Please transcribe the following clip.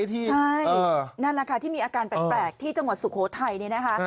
ใช่นั่นแหละค่ะที่มีอาการแปลกที่จังหวัดสุโขทัยเนี่ยนะคะ